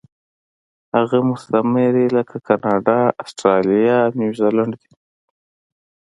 هغه مستعمرې لکه کاناډا، اسټرالیا او نیوزیلینډ دي.